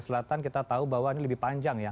selatan kita tahu bahwa ini lebih panjang ya